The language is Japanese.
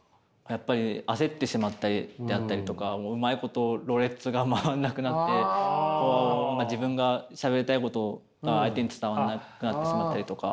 やっぱり焦ってしまったりであったりとかもううまいことろれつが回らなくなって自分がしゃべりたいことが相手に伝わらなくなってしまったりとか。